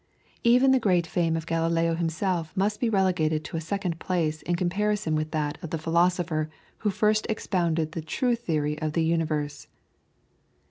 Even the great fame of Galileo himself must be relegated to a second place in comparison with that of the philosopher who first expounded the true theory of the universe.